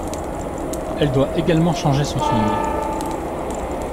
Elle doit également changer son swing.